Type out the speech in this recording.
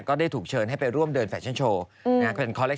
ก็ได้ถูกเชิญให้ไปร่วมเดินแฟชั่นโชว์